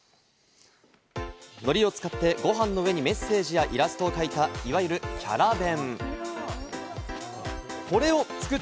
のりを使ってご飯の上にメッセージやイラストを描いた、いわゆるキャラ弁。